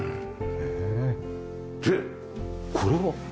でこれは？